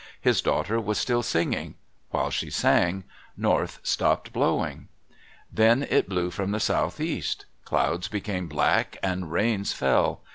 His daughter was still singing. While she sang, North stopped blowing. Then it blew from the Southeast. Clouds became black and rains fell.